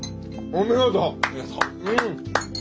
お見事！